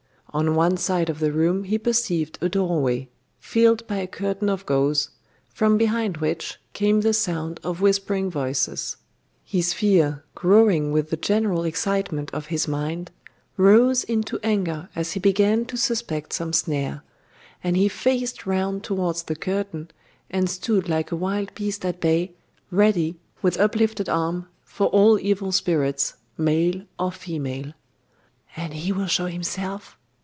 On one side of the room he perceived a doorway, filled by a curtain of gauze, from behind which came the sound of whispering voices. His fear, growing with the general excitement of his mind, rose into anger as he began to suspect some snare; and he faced round towards the curtain, and stood like a wild beast at bay, ready, with uplifted arm, for all evil spirits, male or female. 'And he will show himself?